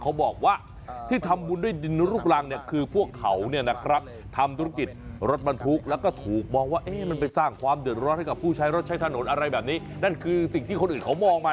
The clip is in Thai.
เขาบอกว่าที่ทำวุนด้วยดินลูกรังเนี่ยคือพวกเขาทำบรรตุกฤทธิ์รถบรรทุก